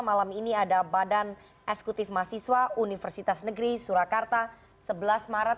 malam ini ada badan eksekutif mahasiswa universitas negeri surakarta sebelas maret